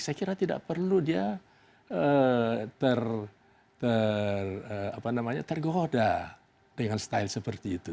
saya kira tidak perlu dia tergoda dengan style seperti itu